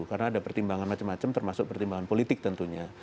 karena ada pertimbangan macam macam termasuk pertimbangan politik tentunya